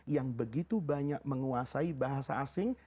yang begitu banyak menguasai bahasa asing